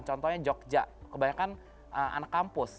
contohnya jogja kebanyakan anak kampus